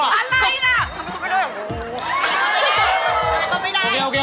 โอเคดีขึ้น